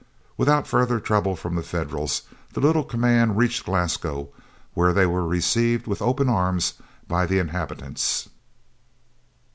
Without further trouble from the Federals, the little command reached Glasgow, where they were received with open arms by the inhabitants.